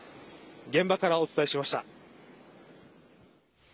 現場からお伝えしました。